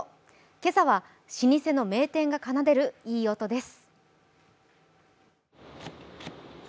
今朝は老舗の名店が奏でるいい音です。